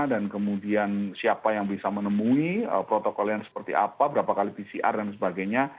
dan kemudian siapa yang bisa menemui protokol yang seperti apa berapa kali pcr dan sebagainya